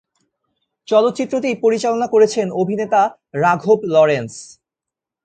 চলচ্চিত্রটি পরিচালনা করেছেন অভিনেতা রাঘব লরেন্স।